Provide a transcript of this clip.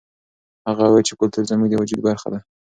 هغه وویل چې کلتور زموږ د وجود برخه ده.